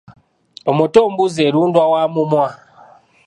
Omuto mbuzi erundwa wa mumwa.